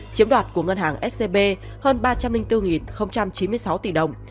chiếm đoạt của ngân hàng scb hơn ba trăm linh bốn chín mươi sáu tỷ đồng